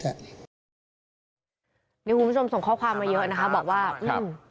นี่คุณผู้ชมส่งข้อความมาเยอะนะคะบอกว่าอืม